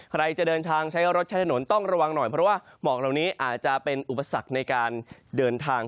ใครจะเดินทางใช้รถใช้ถนนต้องระวังหน่อยเพราะว่าหมอกเหล่านี้อาจจะเป็นอุปสรรคในการเดินทาง